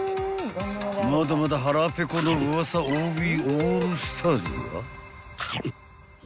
［まだまだ腹ぺこのウワサ大食いオールスターズは］